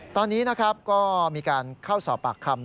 ตอนนี้นะครับก็มีการเข้าสอบปากคำ